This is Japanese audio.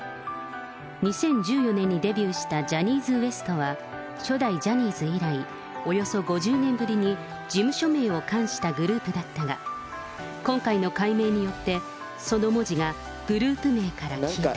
２０１４年にデビューしたジャニーズＷＥＳＴは初代ジャニーズ以来、およそ５０年ぶりに事務所名を冠したグループだったが、今回の改名によって、その文字がグループ名から消えた。